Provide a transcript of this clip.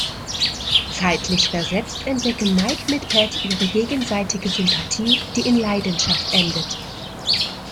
Zeitlich versetzt entdecken Mike mit Pat ihre gegenseitige Sympathie, die in Leidenschaft endet.